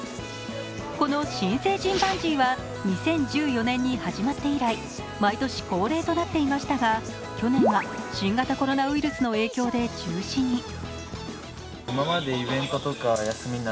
この新成人バンジーは２０１４年に始まって以来、毎年恒例となっていましたが、去年は新型コロナウイルスの影響で中止に。